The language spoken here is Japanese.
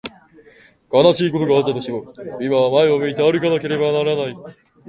悲しいことがあったとしても、今は前を向いて歩かなければならない。